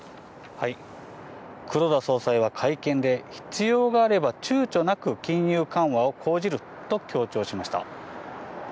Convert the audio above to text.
黒田総裁は会見で、必要があればちゅうちょなく金融緩和を講じると強調しました。